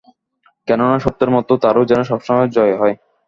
কেননা সত্যের মতো তারও যেন সবসময় জয় হয়!